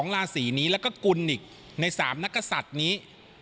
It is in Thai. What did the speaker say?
ราศีนี้แล้วก็กุลนิกใน๓นักกษัตริย์นี้